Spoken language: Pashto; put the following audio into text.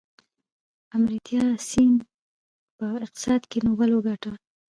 امرتیا سین په اقتصاد کې نوبل وګاټه.